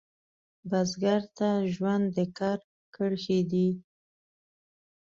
بزګر ته ژوند د کر کرښې دي